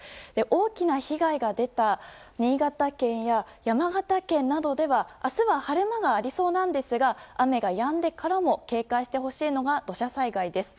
大きな被害が出た新潟県や山形県などでは、明日は晴れ間がありそうなんですが雨がやんでからも警戒してほしいのが土砂災害です。